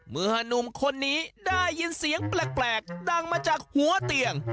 หนุ่มคนนี้ได้ยินเสียงแปลกดังมาจากหัวเตียง